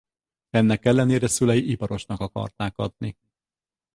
Ennek ellenére szülei iparosnak akarták adni.